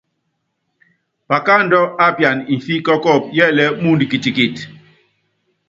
Pakáandú á piana mfí kɔ́kɔ́ɔ́pú yɛ́lɛɛ́ muundɔ kitikiti.